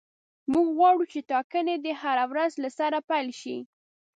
موږ غواړو چې ټاکنې دې هره ورځ له سره پیل شي.